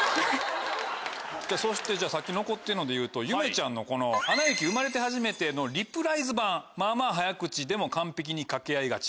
そしてさっき残ってるのでいうとゆめちゃんのこの『アナ雪』『生まれてはじめて』のリプライズ版まぁまぁ早口でも完璧に掛け合いがち。